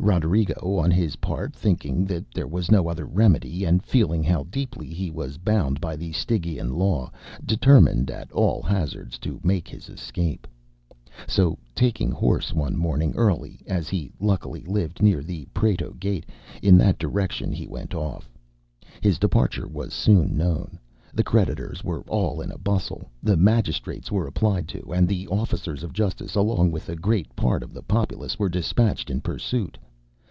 Roderigo, on his part, thinking that there was no other remedy, and feeling how deeply he was bound by the Stygian law, determined at all hazards to make his escape. So taking horse one morning early, as he luckily lived near the Prato gate, in that direction he went off. His departure was soon known; the creditors were all in a bustle; the magistrates were applied to, and the officers of justice, along with a great part of the populace, were dispatched in pursuit.